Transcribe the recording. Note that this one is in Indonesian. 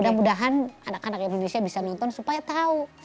mudah mudahan anak anak indonesia bisa nonton supaya tahu